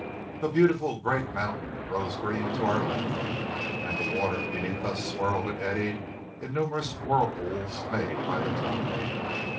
A beautiful great mountain rose green to our left, and the water beneath us swirled and eddied in numerous whirlpools made by the tide.